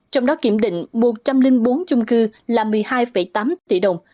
trong đó kiểm định một trăm linh bốn chung cư là một mươi hai tám tỷ đồng